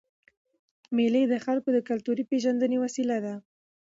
مېلې د خلکو د کلتوري پېژندني وسیله ده.